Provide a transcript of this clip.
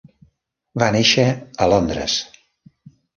Va néixer a Londres.